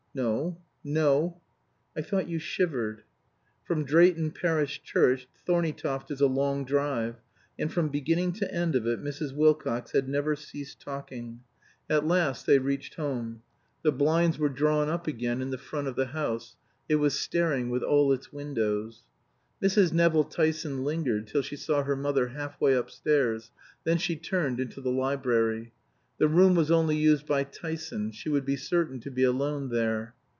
"No no." "I thought you shivered." From Drayton parish church Thorneytoft is a long drive, and from beginning to end of it Mrs. Wilcox had never ceased talking. At last they reached home. The blinds were drawn up again in the front of the house; it was staring with all its windows. Mrs. Nevill Tyson lingered till she saw her mother half way upstairs, then she turned into the library. The room was only used by Tyson; she would be certain to be alone there.